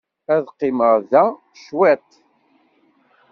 Ad qqimeɣ da cwiṭ.